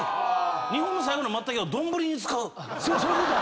日本の最後の松茸を丼に使う⁉そういうことや！